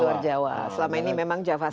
di luar jawa selama ini memang jawa sentri